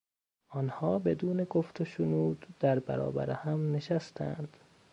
آنها بدون گفت و شنود در برابر هم نشستند.